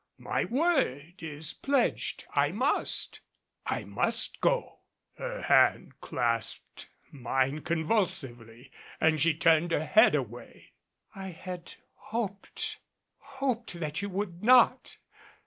My word is pledged. I must I must go!" Her hand clasped mine convulsively and she turned her head away. "I had hoped hoped that you would not!